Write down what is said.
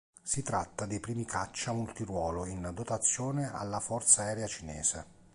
Si tratta dei primi caccia multiruolo in dotazione alla forza aerea cinese.